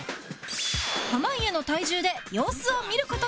濱家の体重で様子を見る事に